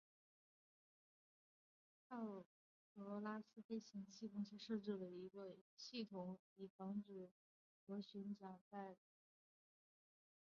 道格拉斯飞行器公司设计了一个系统以防止螺旋桨叶片在飞行途中意外地进行反推。